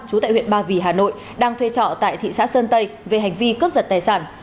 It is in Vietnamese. chú tại huyện ba vì hà nội đang thuê trọ tại thị xã sơn tây về hành vi cướp giật tài sản